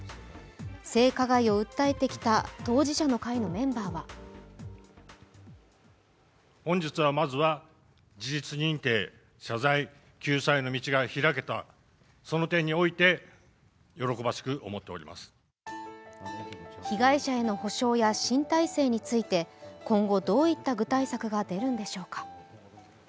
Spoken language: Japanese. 性加害を訴えてきた当事者の会のメンバーは被害者への補償や新体制について今後どういった具体策が出るのでしょうか。